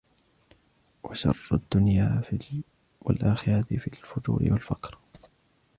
وَشَرَّ الدُّنْيَا وَالْآخِرَةِ فِي الْفُجُورِ وَالْفَقْرِ